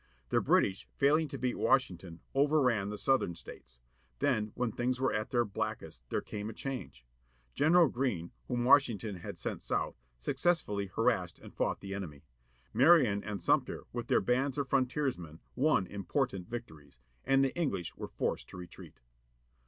The British, failing to beat Wash ington, overran the Southern States. Then, when things were at their blackest there came a change. General Greene, whom Washington had sent South, success fully harassed and fought the enemy. Marion and Sumter with their bands of frontiersmen won important victories. And the EngHsh were forced to retreat.